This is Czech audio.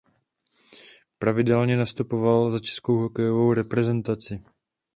Pravidelně nastupoval za českou hokejovou reprezentaci.